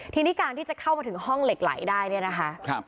ทีนี้การที่จะเข้ามาถึงห้องเหล็กไหลได้เนี่ยนะคะ